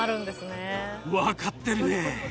分かってるね。